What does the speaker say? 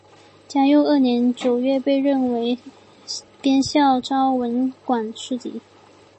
嘉佑二年九月被任为编校昭文馆书籍。